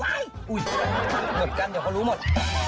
ไว้อุ๊ยหมดกันเดี๋ยวเขารู้หมด